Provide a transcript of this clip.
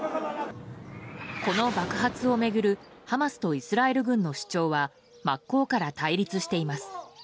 この爆発を巡るハマスとイスラエル軍の主張は真っ向から対立しています。